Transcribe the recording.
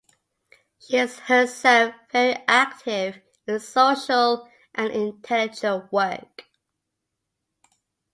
She is herself very active in social and intellectual work.